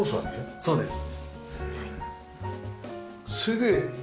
そうですね。